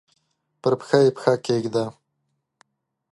پر پښه یې پښه کښېږده!